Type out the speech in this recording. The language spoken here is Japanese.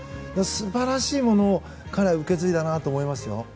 素晴らしいものを彼は受け継いだと思いますよ。